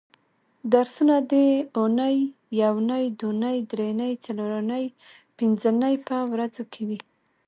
درسونه د اونۍ یونۍ دونۍ درېنۍ څلورنۍ پبنځنۍ په ورځو کې وي